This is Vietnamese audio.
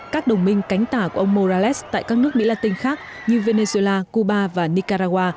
các đồng minh cánh tả của ông morales tại các nước mỹ latin khác như venezuela cuba và nicaragua